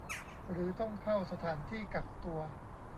หรือต้องเข้าสถานที่กักตัว